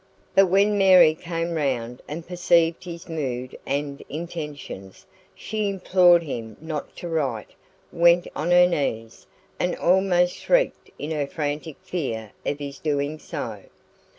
But when Mary came round and perceived his mood and intentions, she implored him not to write went on her knees, and almost shrieked in her frantic fear of his doing so.